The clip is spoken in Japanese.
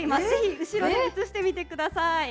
ぜひ後ろに映してみてください。